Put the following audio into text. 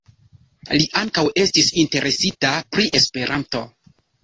Li ankaŭ estis interesita pri Esperanto.